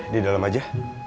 di dalam aja